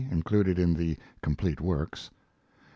Included in the "Complete Works."